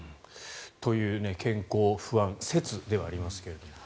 という健康不安説ではありますが。